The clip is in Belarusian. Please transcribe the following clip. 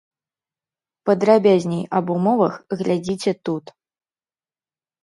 Падрабязней аб умовах глядзіце тут.